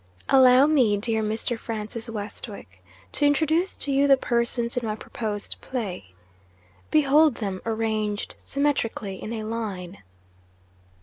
'Allow me, dear Mr. Francis Westwick, to introduce to you the persons in my proposed Play. Behold them, arranged symmetrically in a line.